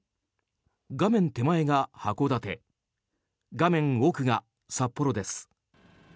画面手前が函館画面奥が札幌です。